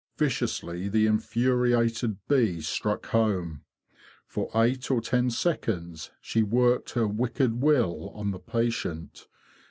Viciously the infuriated bee struck home. For eight or ten seconds she worked her wicked will on the patient.